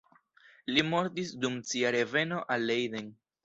Li mortis dum sia reveno al Leiden.